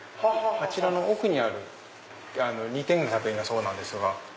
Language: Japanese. あちらの奥にある２点の作品がそうなんですが。